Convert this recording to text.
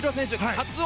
カツオ。